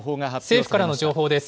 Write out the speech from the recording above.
政府からの情報です。